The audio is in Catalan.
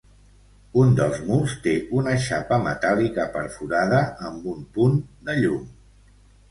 Un dels murs té una xapa metàl·lica perforada amb un punt de llum.